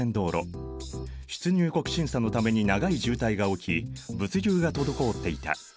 出入国審査のために長い渋滞が起き物流が滞っていた。